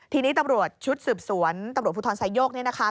ทีนี้ตำรวจชุดสืบสวนตำรวจภูทรไซโยกเนี่ยนะคะ